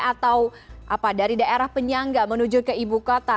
atau dari daerah penyangga menuju ke ibu kota